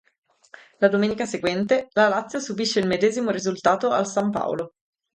La domenica seguente, la Lazio subisce il medesimo risultato al San Paolo.